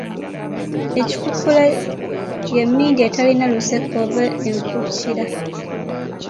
Ekikukula y’emmindi etalina luseke oba enkukira.